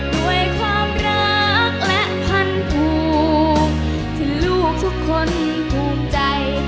ด้วยความรักและพันผูกที่ลูกทุกคนภูมิใจ